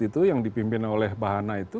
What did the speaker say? itu yang dipimpin oleh bahana itu